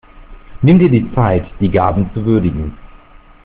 Nimm dir die Zeit, die Gaben zu würdigen.